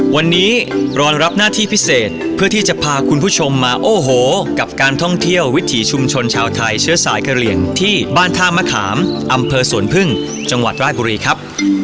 วันนี้รอรับหน้าที่พิเศษเพื่อที่จะพาคุณผู้ชมมาโอ้โหกับการท่องเที่ยววิถีชุมชนชาวไทยเชื้อสายกะเหลี่ยงที่บ้านท่ามะขามอำเภอสวนพึ่งจังหวัดราชบุรีครับ